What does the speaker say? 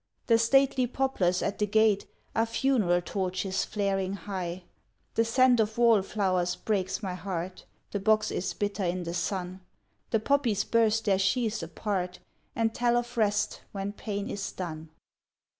The stately poplars at the gate Are funeral torches flaring high. The scent of wallflowers breaks my heart, The box is bitter in the sun, The poppies burst their sheathes apart And tell of rest when pain is done.